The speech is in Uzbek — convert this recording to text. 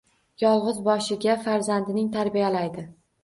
Yolgʻiz boshiga farzandining tarbiyalaydi.